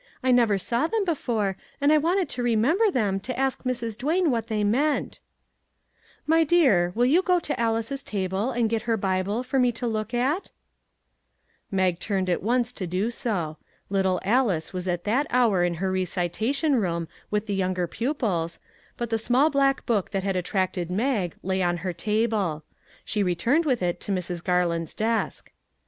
I never saw them before, and I wanted to remem ber them, to ask Mrs. Duane what they meant." " My dear, will you go to Alice's table and get her Bible for me to look at? " Mag turned at once to do so. Little Alice was at that hour in her recitation room with the younger pupils, but the small black book that had attracted Mag lay on her table. She re turned with it to Mrs. Garland's desk.